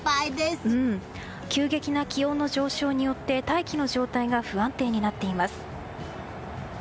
急激な気温の上昇によって大気の状態が不安定になっています。